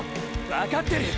わかってる！！